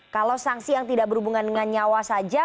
kalau sanksi yang tidak berhubungan dengan nyawa saja